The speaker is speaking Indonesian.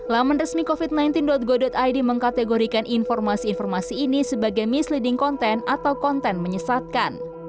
laman resmi covid sembilan belas go id mengkategorikan informasi informasi ini sebagai misleading content atau konten menyesatkan